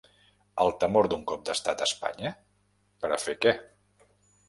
El temor d’un cop d’estat a Espanya… per a fer què?